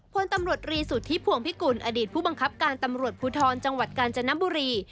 พลตำรวจรีสุทธิพวงพิกุลอดีตผู้บังคับการตำรวจภูทรจังหวัดกาญจนบุรี